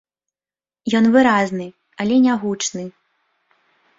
Ён выразны, але нягучны.